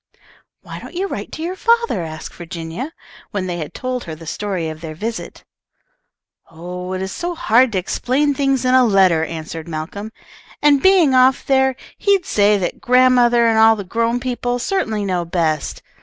"Why don't you write to your father?" asked Virginia, when they had told her the story of their visit. "Oh, it is so hard to explain things in a letter," answered Malcolm, "and being off there, he'd say that grandmother and all the grown people certainly know best.